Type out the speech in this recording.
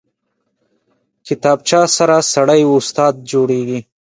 کتابچه سره سړی استاد جوړېږي